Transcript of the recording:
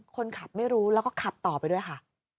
คนขับไม่รู้แล้วก็ขับต่อไปด้วยค่ะ